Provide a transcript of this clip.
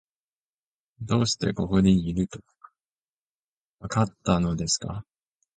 どうしてここにいると、わかったのですか？